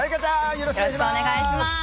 よろしくお願いします！